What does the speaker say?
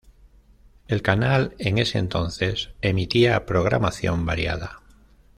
El canal, en ese entonces, emitía programación variada.